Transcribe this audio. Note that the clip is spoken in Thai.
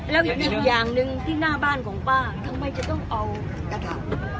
แล้วอีกอย่างหนึ่งที่หน้าบ้านของป้าทำไมจะต้องเอากระถาง